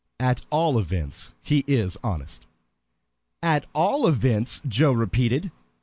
At all events, he is honest." "At all events!" Joe repeated.